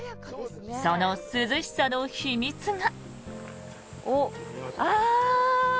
その涼しさの秘密が。